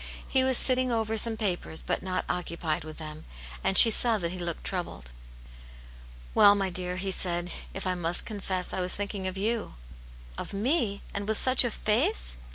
He was sitting over some papers, but not occupied with them, and she saw that he looked troubled. " Well, my dear," he said, " if I must confess, I was thinking of you." ." Of me ! And with such a face